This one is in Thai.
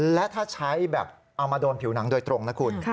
และถ้าใช้แบบเอามาโดนผิวหนังโดยตรงนะคุณ